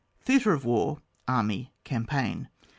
THEATRE OF WAR, ARMY, CAMPAIGN.